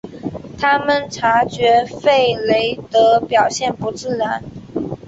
他们察觉弗雷德表现不自然。